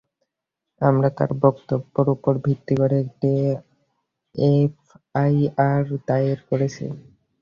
আমরা তার বক্তব্য উপর ভিত্তি করে একটি এফআইআর দায়ের করেছি।